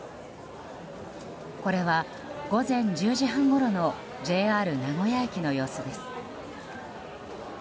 これは午前１０時半ごろのＪＲ名古屋駅の様子です。